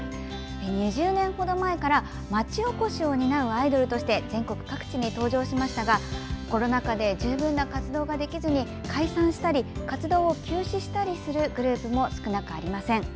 ２０年程前から町おこしを担うアイドルとして全国各地に登場したんですがコロナ禍で十分な活動ができずに解散したり活動を休止したりするグループも少なくありません。